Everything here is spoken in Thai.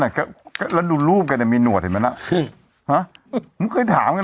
แหละก็แล้วดูรูปกันแต่มีหนวดเห็นไหมน่ะฮะมึงเคยถามกันว่า